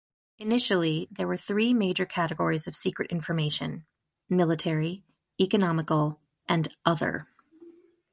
Initially there were three major categories of secret information: military, economical and "other".